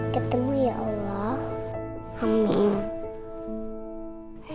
ketemu ya allah